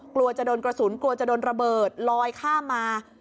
กลัวจะโดนกระสุนกลัวจะโดนระเบิดลอยข้ามมา